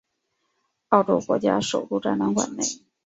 澳洲国家首都展览馆内。